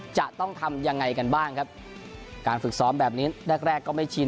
จะต้องทำยังไงกันบ้างครับการฝึกซ้อมแบบนี้แรกแรกก็ไม่ชิน